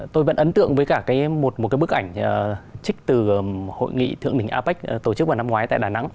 tôi vẫn ấn tượng với cả một cái bức ảnh trích từ hội nghị thượng đỉnh apec tổ chức vào năm ngoái tại đà nẵng